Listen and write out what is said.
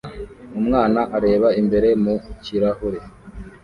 Umwana areba imbeba mu kirahure